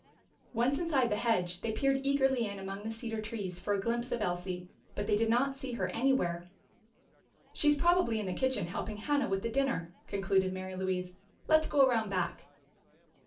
Once inside the hedge they peered eagerly in among the cedar trees for a glimpse of Elsie. But they did not see her anywhere. "She's probably in the kitchen helping Hannah with the dinner," concluded Mary Louise. "Let's go around back."